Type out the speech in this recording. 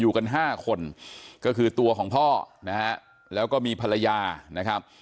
กันห้าคนก็คือตัวของพ่อนะฮะแล้วก็มีภรรยานะครับ